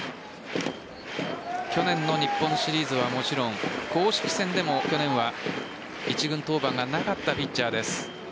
去年の日本シリーズはもちろん公式戦でも去年は一軍登板がなかったピッチャーです。